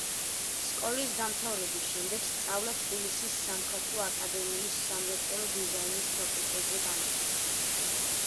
სკოლის დამთავრების შემდეგ სწავლა თბილისის სამხატვრო აკადემიის სამრეწველო დიზაინის ფაკულტეტზე განაგრძო.